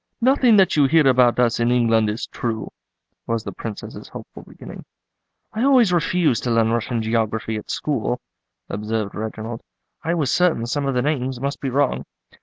"Nothing that you hear about us in England is true," was the Princess's hopeful beginning. "I always refused to learn Russian geography at school," observed Reginald; "I was certain some of the names must be wrong."